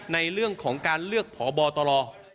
ในเรื่องของการเลือกพบตร